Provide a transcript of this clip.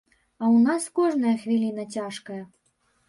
А ў нас кожная хвіліна цяжкая.